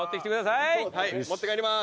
はい持って帰ります。